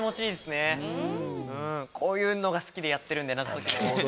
こういうのが好きでやってるんで謎解きも。